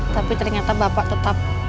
tapi ternyata bapak tetap